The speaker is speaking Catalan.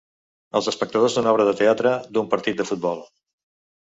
Els espectadors d'una obra de teatre, d'un partit de futbol.